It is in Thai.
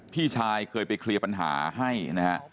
พี่ชายเคยไปเคลียร์ปัญหาให้นะฮะ